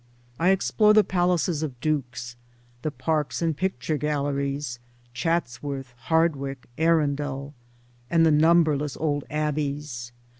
I explore the palaces of dukes — the parks and picture galleries — Chatsworth, Hardwicke, Arundel ; and the number less old Abbeys.